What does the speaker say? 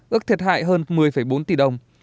ước thiệt hại hơn một mươi bốn tỷ đồng